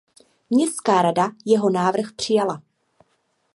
Městská rada jeho návrh přijala.